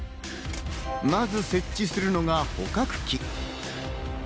まず設置するのが捕獲器。